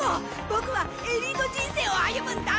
ボクはエリート人生を歩むんだ！